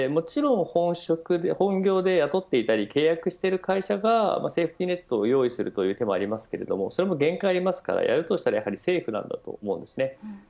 もちろん本業で雇っていたり契約している会社がセーフティーネットを用意するという手もありますがそれも限界がありますからやるとしたらやはり政府です。